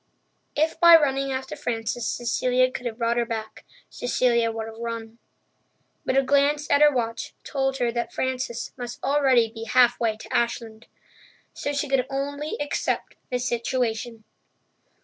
If by running after Frances Cecilia could have brought her back, Cecilia would have run. But a glance at her watch told her that Frances must already be halfway to Ashland. So she could only accept the situation.